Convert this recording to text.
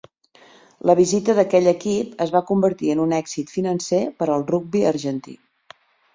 La visita d'aquell equip es va convertir en un èxit financer per al rugbi argentí.